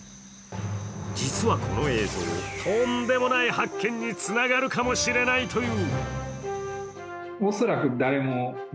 実はこの映像、とんでもない発見につながるかもしれないという。